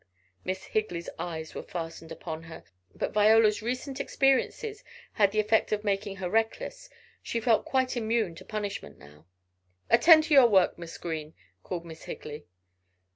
Miss Higley's eyes were fastened upon her. But Viola's recent experiences had the effect of making her reckless she felt quite immune to punishment now. "Attend to your work, Miss Green!" called Miss Higley.